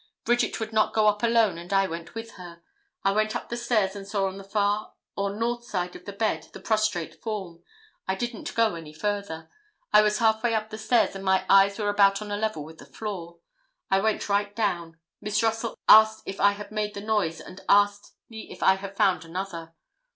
Bridget would not go up alone and I went with her. I went up the stairs and saw on the far or north side of the bed the prostrate form. I didn't go any further. I was half way up the stairs, and my eyes were about on a level with the floor. I went right down. Miss Russell asked if I made the noise, and asked me if I had found another.